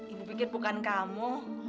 ibu pikir bukan kamu